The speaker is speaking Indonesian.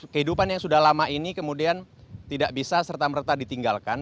kehidupan yang sudah lama ini kemudian tidak bisa serta merta ditinggalkan